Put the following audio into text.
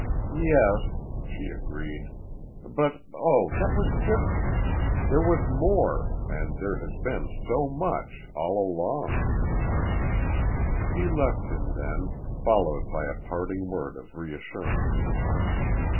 "Yes," she agreed, "but, oh, that was different! There was more, and there has been so much all along." She left him then, followed by a parting word of reassurance.